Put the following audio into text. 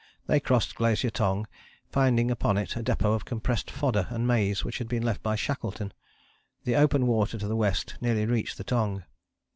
They crossed Glacier Tongue, finding upon it a depôt of compressed fodder and maize which had been left by Shackleton. The open water to the west nearly reached the Tongue.